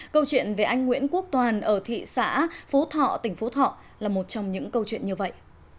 câu chuyện về anh nguyễn quốc toàn ở thị xã phú thọ tỉnh phú thọ là một trong những câu chuyện như vậy